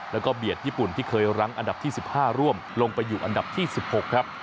แล้วก็เบียดญี่ปุ่นที่เคยรั้งอันดับที่๑๕ร่วมลงไปอยู่อันดับที่๑๖ครับ